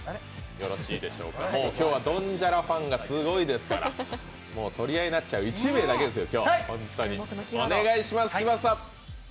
もう今日は「ドンジャラ」ファンがすごいですから、取り合いになっちゃう、１名だけですよ。